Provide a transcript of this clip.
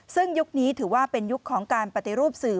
ซึ่งยุคนี้ถือว่าเป็นยุคของการปฏิรูปสื่อ